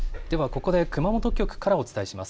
ここで熊本局からお伝えします。